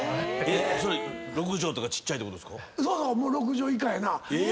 それ６畳とかちっちゃいってことですか？